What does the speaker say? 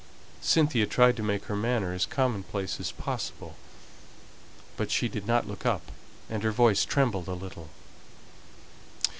Cynthia tried to make her manner as commonplace as possible; but she did not look up, and her voice trembled a little.